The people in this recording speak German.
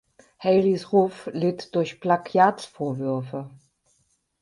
Haleys Ruf litt durch Plagiatsvorwürfe.